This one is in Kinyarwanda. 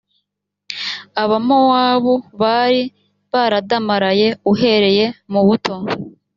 abamowabu bari baradamaraye uhereye mu buto